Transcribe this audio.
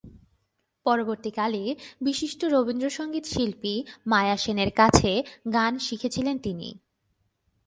পরবর্তীকালে বিশিষ্ট রবীন্দ্রসংগীত শিল্পী মায়া সেনের কাছে গান শিখেছিলেন তিনি।